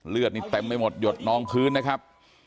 เลือดนี่เต็มไปหมดหยดนองพื้นนะครับ